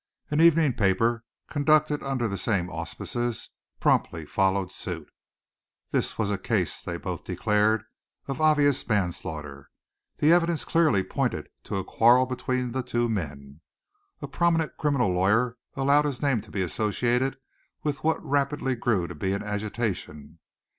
An evening paper, conducted under the same auspices, promptly followed suit. This was a case, they both declared, of obvious manslaughter. The evidence clearly pointed to a quarrel between the two men. A prominent criminal lawyer allowed his name to be associated with what rapidly grew to be an agitation.